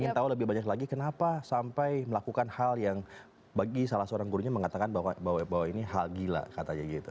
ingin tahu lebih banyak lagi kenapa sampai melakukan hal yang bagi salah seorang gurunya mengatakan bahwa ini hal gila katanya gitu